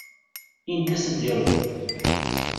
Int-as ad yerju